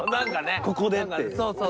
ここでっていう。